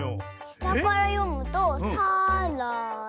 したからよむと「さ・ら・だ」！